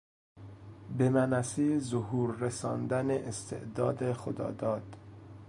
به منصهی ظهور رساندن استعداد خداداد